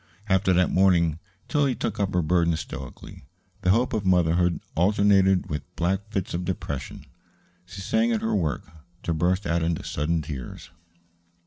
After that morning Tillie took up her burden stoically. The hope of motherhood alternated with black fits of depression. She sang at her work, to burst out into sudden tears.